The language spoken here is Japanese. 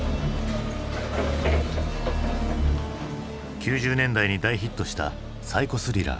９０年代に大ヒットしたサイコスリラー